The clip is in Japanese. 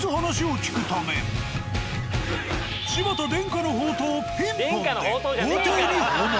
柴田伝家の宝刀ピンポンで豪邸に訪問。